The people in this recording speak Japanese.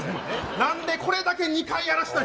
なんでこれだけ２回やらしたい？